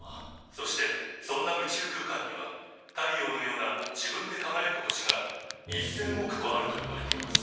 「そしてそんな宇宙空間には太陽のような自分でかがやく星が１，０００億個あるといわれています」。